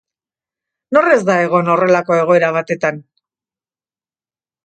Nor ez da egon horrelako egoera batetan?